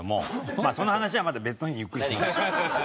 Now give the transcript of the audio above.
まあその話はまた別の日にゆっくりします。